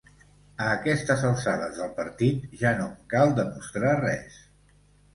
A aquestes alçades del partit ja no em cal demostrar res.